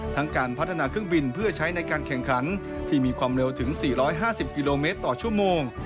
การพัฒนาเครื่องบินเพื่อใช้ในการแข่งขันที่มีความเร็วถึง๔๕๐กิโลเมตรต่อชั่วโมง